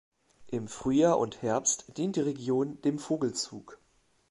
Im Frühjahr und Herbst dient die Region dem Vogelzug.